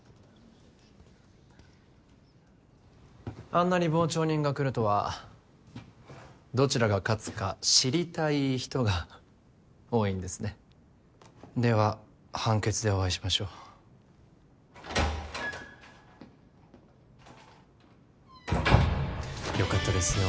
あんなに傍聴人が来るとはどちらが勝つか知りたい人が多いんですねでは判決でお会いしましょうよかったですよ